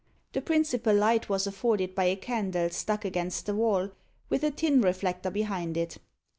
The principal light was afforded by a candle stuck against the wall, with a tin reflector behind it.